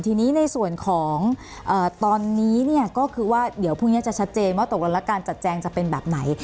ทีนี้ในส่วนของตอนนี้เนี่ยก็คือว่าเดี๋ยวพรุ่งนี้จะชัดเจนว่าตกลงแล้วการจัดแจงจะเป็นแบบไหน